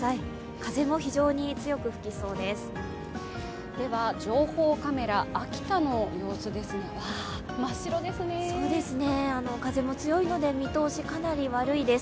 風も非常に強く吹きそうです。